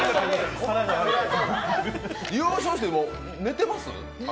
優勝して寝てます？